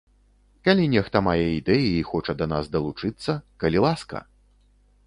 Калі нехта мае ідэі і хоча да нас далучыцца, калі ласка!